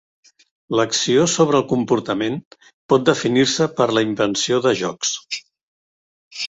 L'acció sobre el comportament pot definir-se per la invenció de jocs.